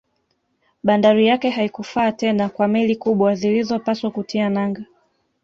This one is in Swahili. Bandari yake haikufaa tena kwa meli kubwa zilizopaswa kutia nanga